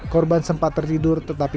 korban sempat tertidur tetapi